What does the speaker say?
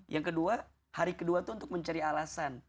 yang kedua hari kedua itu untuk mencari alasan